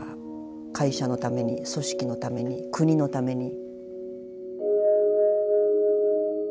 会社のために組織のために国のために。